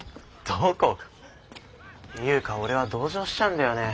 ていうか俺は同情しちゃうんだよね